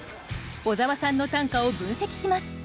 小沢さんの短歌を分析します。